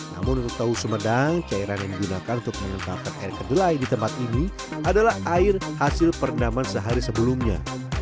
namun untuk tahu sumedang cairan yang digunakan untuk mengentalkan air kedelai di tempat ini adalah air hasil perendaman sehari sebelumnya